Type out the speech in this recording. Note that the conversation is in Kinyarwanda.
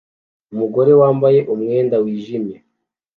Umugore wambaye umwenda wijimye